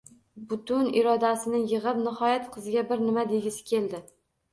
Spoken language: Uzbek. Butun irodasini yig’ib, nihoyat qizga bir nima degisi keldi.